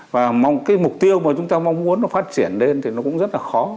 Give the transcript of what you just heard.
và cái mục tiêu mà chúng ta mong muốn nó phát triển lên thì nó cũng rất là khó